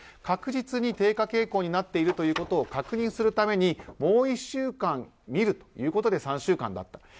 確実に低下傾向になっていることを確認するためにもう１週間見るということで３週間だった。